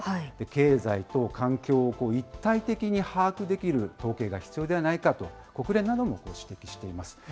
経済と環境を一体的に把握できる統計が必要ではないかと、国連などが指摘しています。